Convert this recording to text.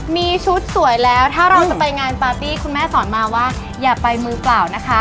มีชุดสวยแล้วถ้าเราจะไปงานปาร์ตี้คุณแม่สอนมาว่าอย่าไปมือเปล่านะคะ